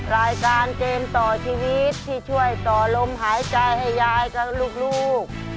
รายการเกมต่อชีวิตที่ช่วยต่อลมหายใจให้ยายกับลูก